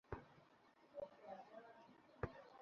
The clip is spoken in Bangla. এমন একটা জীবন, যে জীবনে কোনও দুঃশ্চিন্তা থাকবে না।